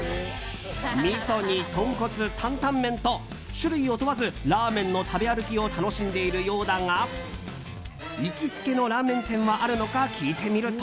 みそに豚骨、担々麺と種類を問わず、ラーメンの食べ歩きを楽しんでいるようだが行きつけのラーメン店はあるのか聞いてみると。